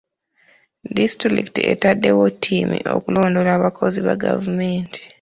Disitulikiti etaddewo ttiimu okulondoola abakozi ba gavumenti.